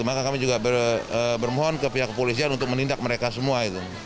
maka kami juga bermohon ke pihak kepolisian untuk menindak mereka semua